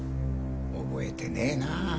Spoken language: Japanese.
覚えてねえな。